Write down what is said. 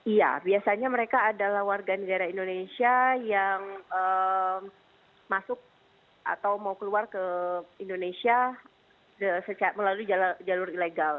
iya biasanya mereka adalah warga negara indonesia yang masuk atau mau keluar ke indonesia melalui jalur ilegal